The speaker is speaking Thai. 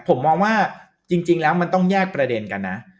ผมมองว่าจริงแล้วมันต้องแยกประเด็นกันนะ